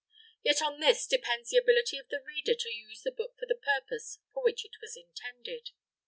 Yet on this depends the ability of the reader to use the book for the purpose for which it was intended.